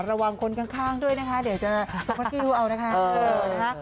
ระวังคนข้างด้วยนะคะเดี๋ยวจะสุดพัดกิ้วเอานะคะ